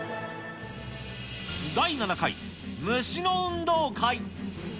第７回虫の運動会。